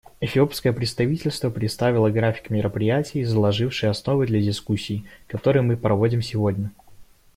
Эфиопское председательство представило график мероприятий, заложивший основы для дискуссий, которые мы проводим сегодня.